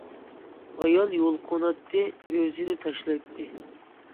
ئايال يۇلقۇناتتى، ئۆزىنى تاشلايتتى.